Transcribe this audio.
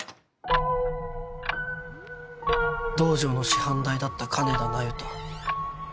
道場の師範代だった金田那由他。